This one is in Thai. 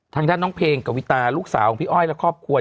ทางด้านน้องเพลงกวิตาลูกสาวของพี่อ้อยและครอบครัว